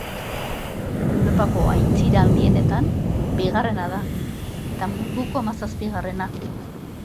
Europako aintzira handienetan bigarrena da, eta munduko hamazazpigarrena.